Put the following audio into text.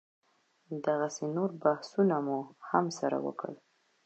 دغسې نور بحثونه مو هم سره وکړل.